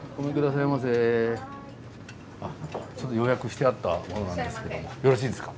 すいません予約してあった者なんですけどもよろしいですか？